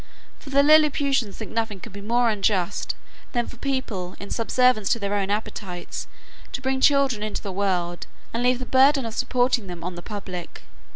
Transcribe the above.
For the Lilliputians think nothing can be more unjust, than for people, in subservience to their own appetites, to bring children into the world, and leave the burthen of supporting them on the public.